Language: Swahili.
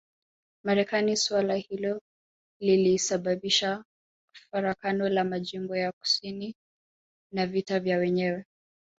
Marekani suala hilo lilisababisha farakano la majimbo ya kusini na vita vya wenyewe